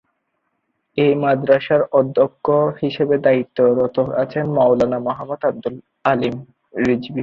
এই মাদ্রাসার অধ্যক্ষ হিসেবে দায়িত্বরত আছেন মাওলানা মুহাম্মদ আবদুল আলিম রিজভী।